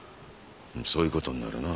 そういうことになるな。